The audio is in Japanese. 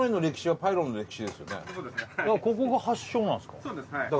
ここが発祥なんですか？